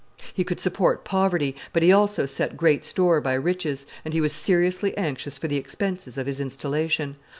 He could support poverty, but he also set great store by riches, and he was seriously anxious for the expenses of his installation.